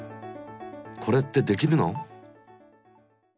これってできるの？